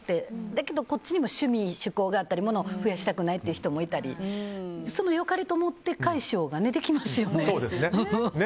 だけど、こっちにも趣味趣向があったり物を増やしたくない人もいたりその良かれと思っての解消ができますね。